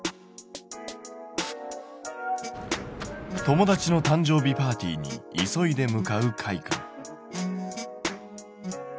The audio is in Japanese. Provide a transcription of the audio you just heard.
友達の誕生日パーティーに急いで向かうかいくん。